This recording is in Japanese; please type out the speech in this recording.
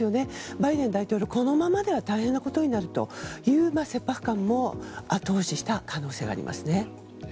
バイデン大統領、このままでは大変なことになるという切迫感も後押しした可能性はありますね。